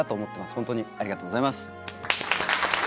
ホントにありがとうございます。